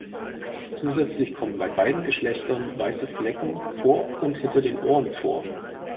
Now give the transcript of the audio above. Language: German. Zusätzlich kommen bei beiden Geschlechtern weiße Flecken vor und hinter den Ohren vor.